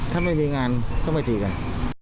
ถ้าไม่มีงานก็ไม่ตีกัน